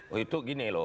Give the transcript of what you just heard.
oh itu gini loh